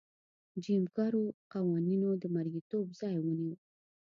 جیم کرو قوانینو د مریتوب ځای ونیو.